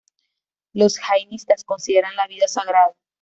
Los jainistas consideran la vida sagrada.